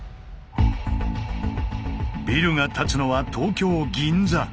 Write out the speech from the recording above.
ビルが立つのは東京銀座。